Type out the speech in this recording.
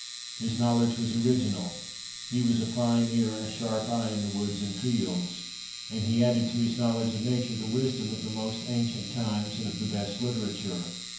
His knowledge was original. He was a Fine ear and a Sharp eye in the woods and fields; and he added to his knowledge of nature the wisdom of the most ancient times and of the best literature.